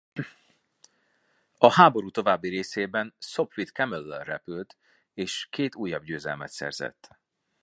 A háború további részében Sopwith Camellel repült és két újabb győzelmet szerzett.